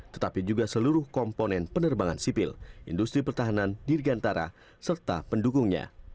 tetapi juga seluruh komponen penerbangan sipil industri pertahanan dirgantara serta pendukungnya